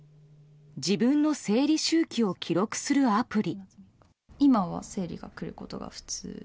自分の生理周期を記録するアプリ。